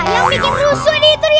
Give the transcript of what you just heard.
yang bikin rusuh ini itu ya